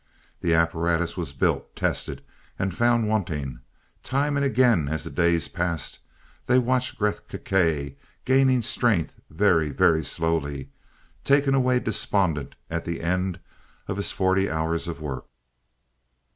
The apparatus was built, tested, and found wanting. Time and again as the days passed, they watched Gresth Gkae, gaining strength very, very slowly, taken away despondent at the end of his forty hours of work.